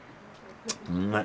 うまい！